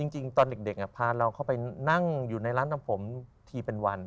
จริงตอนเด็กพาเราเข้าไปนั่งอยู่ในร้านทำผมทีเป็นวัน